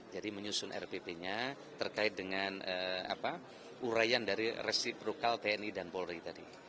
jadi menyusun rpp nya terkait dengan urayan dari resiprokal tni dan polri tadi